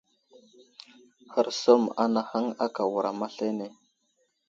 Hərsum anahaŋ aka wuram aslane.